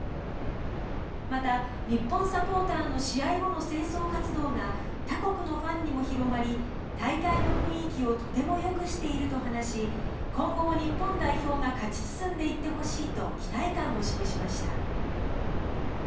また、日本サポーターの試合後の清掃活動が他国のファンにも広まり大会の雰囲気をとてもよくしていると話し今後も日本代表が勝ち進んでいってほしいと期待感を示しました。